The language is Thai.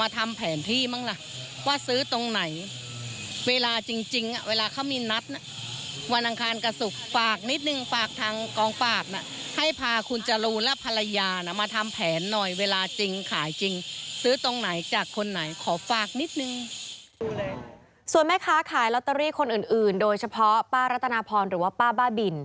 ส่วนแม่ค้าขายลอตเตอรี่คนอื่นโดยเฉพาะป้ารัตนาพรหรือว่าป้าบ้าบิน